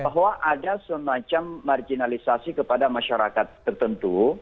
bahwa ada semacam marginalisasi kepada masyarakat tertentu